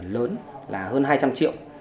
lớn là hơn hai trăm linh triệu